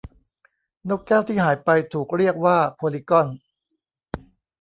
นกแก้วที่หายไปถูกเรียกว่าโพลีกอน